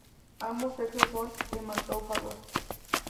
Ambos sexos son hematófagos.